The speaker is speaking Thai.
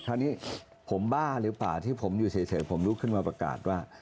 คราวนี้ผมบ้าหรือเปล่าที่ผมอยู่เฉยผมลุกขึ้นมาประกาศว่า